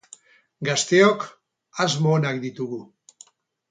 Gazteok asmo onak ditugu.